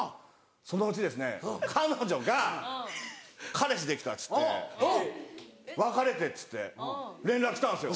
そのうち彼女が彼氏できたっつって別れてっつって連絡来たんですよ。